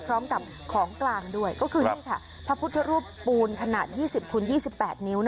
พร้อมกับของกลางด้วยก็คือนี่ค่ะพระพุทธรูปปูนขนาดยี่สิบคุณยี่สิบแปดนิ้ว